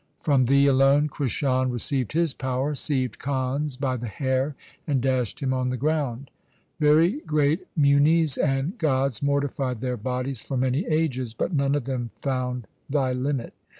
From Thee alone Krishan received his power, seized Kans by the hair, and dashed him on the ground. Very great munis and gods mortified their bodies for many ages, But none of them found Thy limit.